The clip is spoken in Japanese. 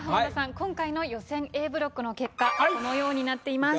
今回の予選Ａブロックの結果このようになっています。